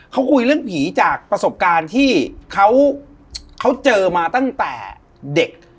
เขาคุยเรื่องผีจากประสบการณ์ที่เขาเจอมาตั้งแต่เด็ก